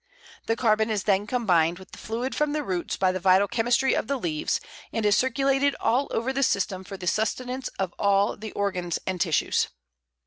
The carbon is then combined with the fluid from the roots by the vital chemistry of the leaves, and is circulated all over the system for the sustenance of all the organs and tissues.